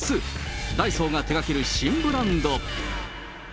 ダイソーが手がける新ブランド。